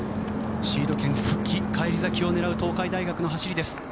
シード権復帰、返り咲きを狙う東海大学の走りです。